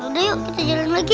udah yuk kita jalan lagi